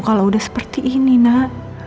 kalau udah seperti ini nak